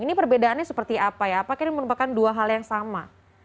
ini perbedaannya seperti apa ya apakah ini merupakan dua hal yang sama